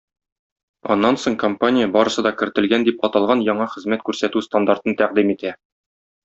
Аннан соң компания "Барысы да кертелгән" дип аталган яңа хезмәт күрсәтү стандартын тәкъдим итә.